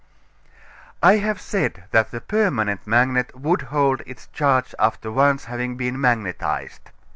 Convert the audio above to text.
I have said that the permanent magnet would hold its charge after once having been magnetized.